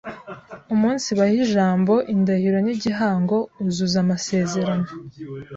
umunsibaha ijambo, indahiro n’igihango uzuza amasezerano